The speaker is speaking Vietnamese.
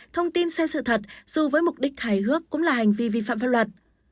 thông tin sai sự thật dù với mục đích hài hước cũng là hành vi vi phạm pháp luật